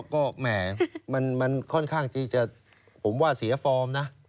ก็แหม่มันค่อนข้างที่จะผมว่าเสียฟอร์มนะ